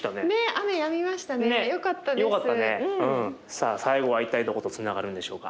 さあ最後は一体どことつながるんでしょうか。